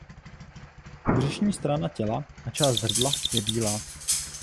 Břišní strana těla a část hrdla je bílá.